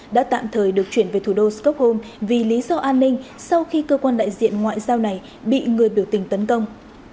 đã tạm thời được chuyển về thủ đô stockholm vì lý do an ninh sau khi cơ quan đại diện ngoại giao này bị người biểu tình tấn công